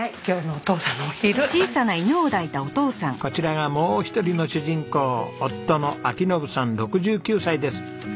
こちらがもう一人の主人公夫の章伸さん６９歳です。